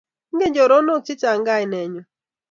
Ingen choronok che chang' kaine nyu